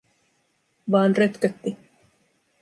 Vaan rötkötti.